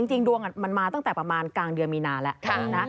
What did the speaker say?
จริงดวงมันมาตั้งแต่ประมาณกลางเดือนมีนาแล้วนะ